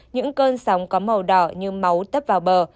những cơn sóng có màu đỏ như máu tấp vào bờ